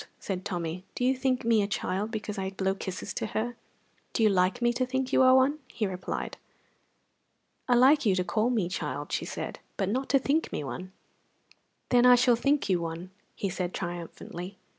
said Tommy. "Do you think me a child because I blow kisses to her?" "Do you like me to think you one?" he replied. "I like you to call me child," she said, "but not to think me one." "Then I shall think you one," said he, triumphantly.